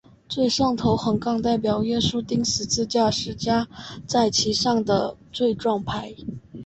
最上头的横杠代表耶稣钉十字架时加在其上的罪状牌。